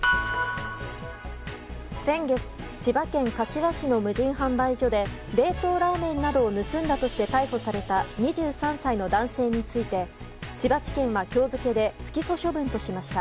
先月、千葉県柏市の無人販売所で冷凍ラーメンなどを盗んだとして逮捕された２３歳の男性について千葉地検は今日付で不起訴処分としました。